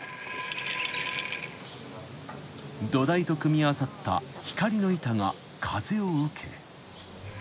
［土台と組み合わさった光の板が風を受け］